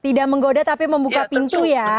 tidak menggoda tapi membuka pintu ya